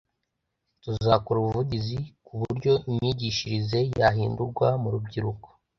tuzakora ubuvugizi ku buryo imyigishirize yahindurwa mu rubyiruko